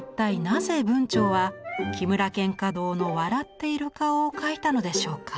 なぜ文晁は木村蒹葭堂の笑っている顔を描いたのでしょうか。